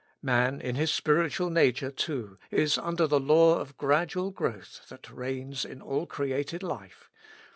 Man, in his spiritual nature, too, is under the law of gradual growth that reigns in all created life.